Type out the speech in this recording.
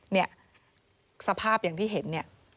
เนี่ยสภาพอย่างที่เห็นเนี่ย